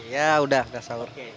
iya udah udah sahur